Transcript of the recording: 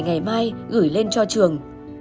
xoay quanh những tấm vé số độc đắc